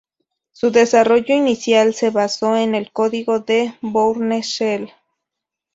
Su desarrollo inicial se basó en el código de Bourne Shell.